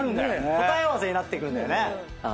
答え合わせになってくんだよね。